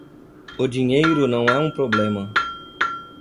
O dinheiro não é um problema